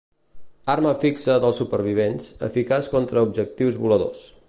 Arma fixa dels supervivents, eficaç contra objectius voladors.